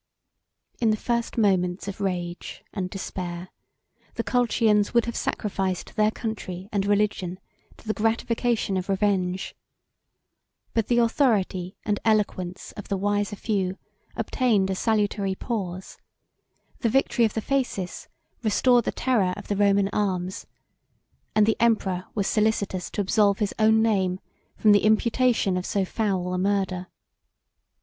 In the first moments of rage and despair, the Colchians would have sacrificed their country and religion to the gratification of revenge. But the authority and eloquence of the wiser few obtained a salutary pause: the victory of the Phasis restored the terror of the Roman arms, and the emperor was solicitous to absolve his own name from the imputation of so foul a murder.